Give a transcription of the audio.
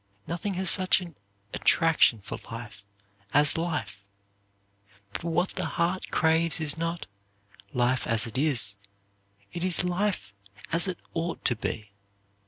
Nothing has such an attraction for life as life. But what the heart craves is not 'life as it is.' It is life as it ought to be.